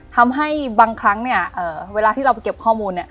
ทำให้บางครั้งเวลาที่เราไปเก็บข้อมูล